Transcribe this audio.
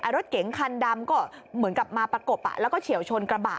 รถเก๋งคันดำก็เหมือนกับมาประกบแล้วก็เฉียวชนกระบะ